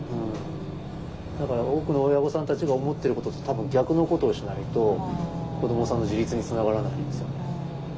だから多くの親御さんたちが思ってることと多分逆のことをしないと子どもさんの自立につながらないんですよね。